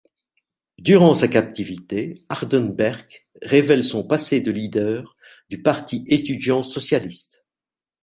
Durant sa captivité, Hardenberg révèle son passé de leader du parti étudiant socialiste.